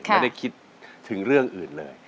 ไม่ได้คิดถึงเรื่องอื่นเลย